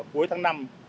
cuối tháng năm